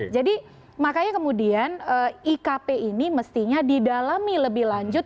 jadi makanya kemudian ikp ini mestinya didalami lebih lanjut